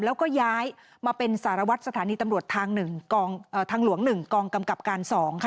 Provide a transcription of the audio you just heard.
แล้วก็ย้ายมาเป็นสารวัตรสถานีตำรวจทาง๑ทางหลวง๑กองกำกับการ๒ค่ะ